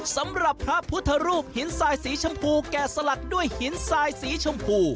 สำหรับพระพุทธรูปหินทรายสีชมพูแก่สลักด้วยหินทรายสีชมพู